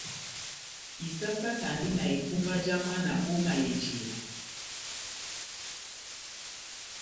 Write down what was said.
Isásákandi na ipuma já mwana ó mayèjiya.